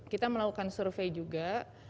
kita melakukan survei juga